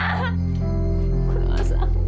aku gak sanggup